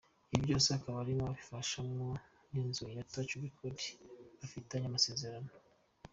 Ibi byose akaba arimo abifashwamo n’inzu ya Touch record bafitanye amasezerano.